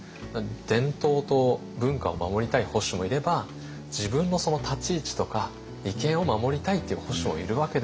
伝統と文化を守りたい保守もいれば自分の立ち位置とか利権を守りたいっていう保守もいるわけですよ。